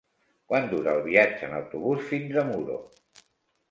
Quant dura el viatge en autobús fins a Muro?